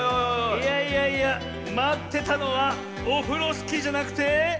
いやいやいやまってたのはオフロスキーじゃなくて。